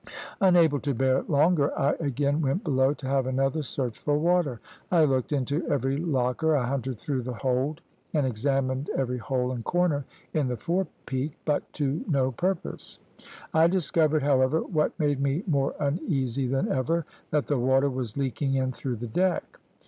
Unable to bear it longer I again went below to have another search for water. I looked into every locker; I hunted through the hold, and examined every hole and corner in the forepeak, but to no purpose. I discovered, however, what made me more uneasy than ever that the water was leaking in through the deck.